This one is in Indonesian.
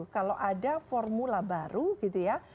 kalau ada formula baru gitu ya